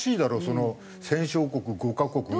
その戦勝国５カ国が。